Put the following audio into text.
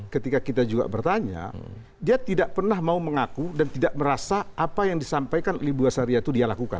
ketika kita juga bertanya dia tidak pernah mau mengaku dan tidak merasa apa yang disampaikan oleh ibu asaria itu dia lakukan